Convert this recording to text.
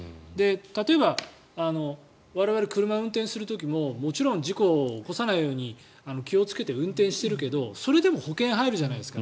例えば、我々車を運転する時ももちろん事故を起こさないように気をつけて運転してるけどそれでも保険に入るじゃないですか。